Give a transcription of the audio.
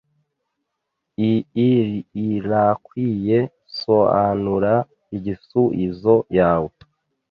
Ii irakwiye Soanura igisuizo yawe